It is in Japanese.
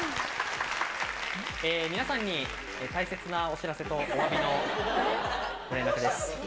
えー、皆さんに、大切なお知らせとおわびのご連絡です。